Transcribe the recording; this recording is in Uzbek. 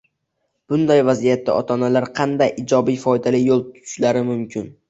Bunday vaziyatda ota-onalar qanday ijobiy, foydali yo‘l tutishlari mumkin?